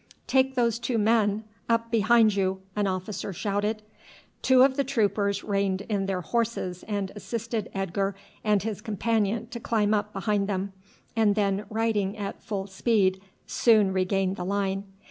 "Take those two men up behind you!" an officer shouted. Two of the troopers reined in their horses and assisted Edgar and his companion to climb up behind them, and then riding at full speed soon regained the line.